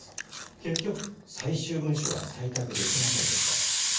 結局、最終文書は採択できませんでした。